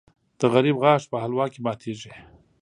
د غریب غاښ په حلوا کې ماتېږي .